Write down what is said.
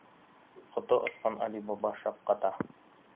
Ҡото осҡан Али Баба шаҡ ҡата.